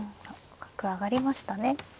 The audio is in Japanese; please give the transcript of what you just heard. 角上がりましたね。